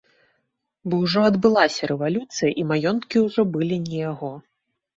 Бо ўжо адбылася рэвалюцыя і маёнткі ўжо былі не яго.